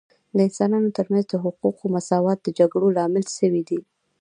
د انسانانو ترمنځ د حقوقو مساوات د جګړو لامل سوی دی